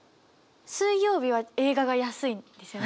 水曜日は映画が安いんですよね。